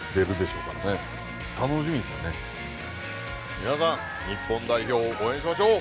みなさん日本代表を応援しましょう！